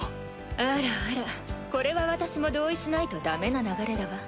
あらあらこれは私も同意しないとダメな流れだわ。